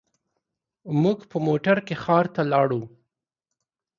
موږ په موټر کې ښار ته لاړو.